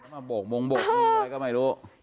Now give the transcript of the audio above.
มาโบกมงโบกมืออะไรก็ไม่รู้